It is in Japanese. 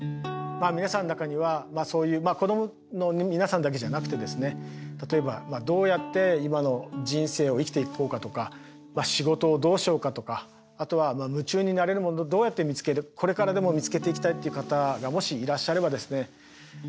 まあ皆さんの中にはそういう子供の皆さんだけじゃなくてですね例えばどうやって今の人生を生きていこうかとか仕事をどうしようかとかあとは夢中になれるものをどうやって見つけるこれからでも見つけていきたいっていう方がもしいらっしゃればですね